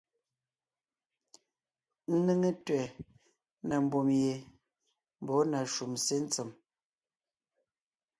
Ńnéŋe tẅɛ̀ na mbùm ye mbɔ̌ na shúm sé ntsèm.